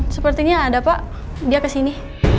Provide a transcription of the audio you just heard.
sepertinya ada pak dia kesini